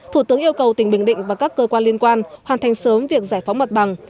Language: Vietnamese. thủ tướng yêu cầu tỉnh bình định và các cơ quan liên quan hoàn thành sớm việc giải phóng mặt bằng